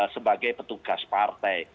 sebagai petugas partai